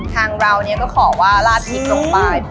ทางเรานี่ก็ขอว่าร่าตกลิ่นกลมไป